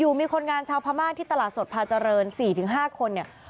อยู่มีคนงามชาวพม่าที่ตลาดสดพาเจริญสี่ถึงห้าคนเนี่ย